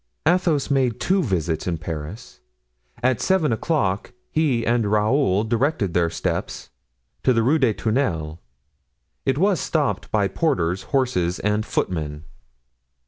Athos made two visits in Paris; at seven o'clock he and Raoul directed their steps to the Rue des Tournelles; it was stopped by porters, horses and footmen.